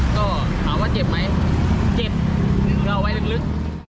ก็ถามว่าเจ็บไหมเจ็บเราไว้ลึก